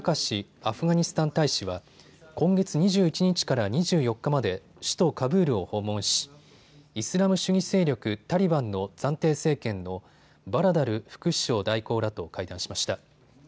アフガニスタン大使は今月２１日から２４日まで首都カブールを訪問しイスラム主義勢力タリバンの暫定政権のバラダル副首相代行らと会談しました。